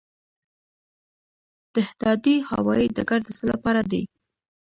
دهدادي هوايي ډګر د څه لپاره دی؟